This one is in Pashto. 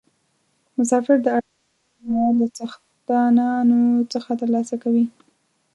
مسافر د اړتیا وړ مواد له څښتنانو څخه ترلاسه کوي.